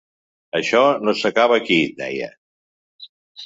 Això no s’acaba aquí, deia.